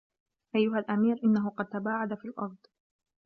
أَيُّهَا الْأَمِيرُ إنَّهُ قَدْ تَبَاعَدَ فِي الْأَرْضِ